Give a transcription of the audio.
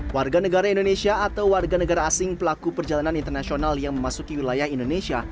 warga negara indonesia atau warga negara asing pelaku perjalanan internasional yang memasuki wilayah indonesia